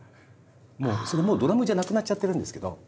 それもうドラムじゃなくなっちゃってるんですけど。